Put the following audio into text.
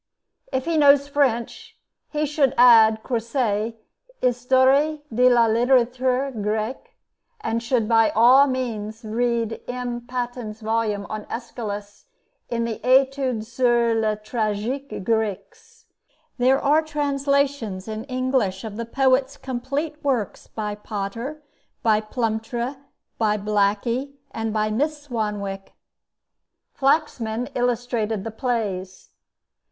If he knows French, he should add Croiset's 'Histoire de la Littérature Grecque,' and should by all means read M. Patin's volume on Aeschylus in his 'Études sur les Tragique Grècs.' There are translations in English of the poet's complete works by Potter, by Plumptre, by Blackie, and by Miss Swanwick. Flaxman illustrated the plays.